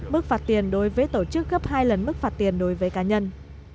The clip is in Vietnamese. mức phạt tiền đối với tổ chức gấp hai lần mức phạt tiền đối với cá nhân